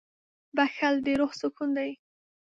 • بښل د روح سکون دی.